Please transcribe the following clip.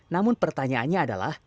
namun pertanyaannya adalah